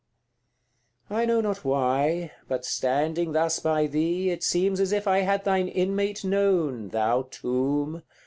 CIV. I know not why but standing thus by thee It seems as if I had thine inmate known, Thou Tomb!